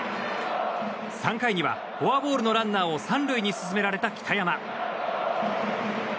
３回には、フォアボールのランナーを３塁に進められた北山。